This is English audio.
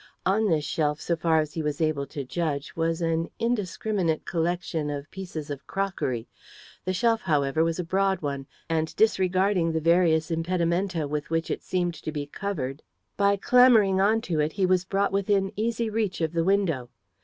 On this shelf, so far as he was able to judge, was an indiscriminate collection of pieces of crockery. The shelf, however, was a broad one, and, disregarding the various impedimenta with which it seemed to be covered, by clambering on to it he was brought within easy reach of the window.